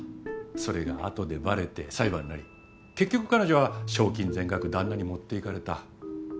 それが後でバレて裁判になり結局彼女は賞金全額旦那に持っていかれた。